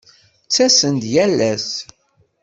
Ttasen-d yal ass.